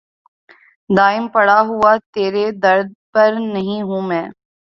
دائم پڑا ہوا تیرے در پر نہیں ہوں میں